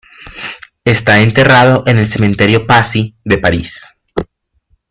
Está enterrado al cementerio de Passy de París.